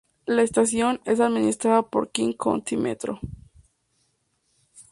La estación es administrada por King County Metro.